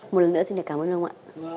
một lần nữa xin cảm ơn ông ạ